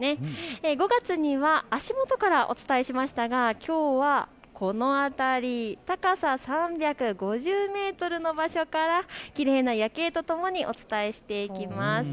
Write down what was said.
５月には足元からお伝えしましたが、きょうはこの辺り、高さ３５０メートルの場所からきれいな夜景とともにお伝えしていきます。